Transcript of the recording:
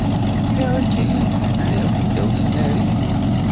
Ayɣer akka ay telliḍ ddaw tnarit?